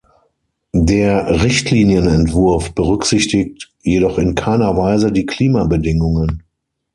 Der Richtlinienentwurf berücksichtigt jedoch in keiner Weise die Klimabedingungen.